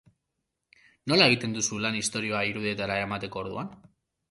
Nola egiten duzu lan istorioa irudietara eramateko orduan?